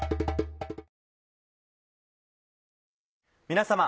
皆様。